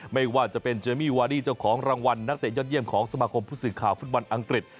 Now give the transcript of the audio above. ไม่ว่าจะเป็นเจมมี่วาดี้เจ้าของรางวัลนักเตะยอดเยี่ยมของสมาคมผู้สื่อข่าวฟุตบอลอังกฤษ